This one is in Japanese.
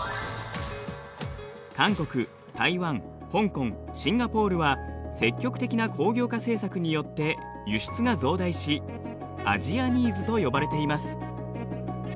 韓国台湾香港シンガポールは積極的な工業化政策によって輸出が増大しアジアＮＩＥｓと呼ばれています。